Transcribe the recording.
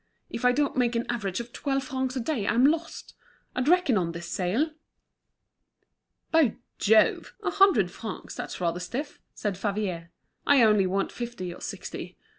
"If I don't make an average of twelve francs a day, I'm lost. I'd reckoned on this sale." "By Jove! a hundred francs; that's rather stiff," said Favier. "I only want fifty or sixty.